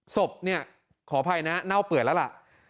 ศพเนี่ยขออภัยนะเน่าเปื่อยแล้วล่ะ